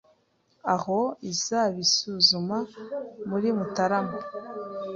aho izabisuzuma muri Mutarama,